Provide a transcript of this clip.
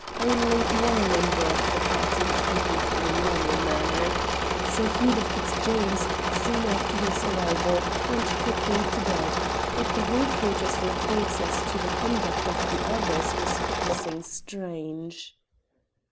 Only one member of the party had behaved in a normal manner. Sir Hubert Fitzjames, soon after his arrival, went quietly to bed, but the hall porter's report as to the conduct of the others was passing strange.